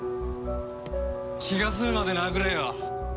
気が済むまで殴れよ。